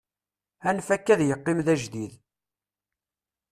anef akka ad yeqqim d ajdid